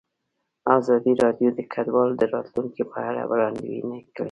ازادي راډیو د کډوال د راتلونکې په اړه وړاندوینې کړې.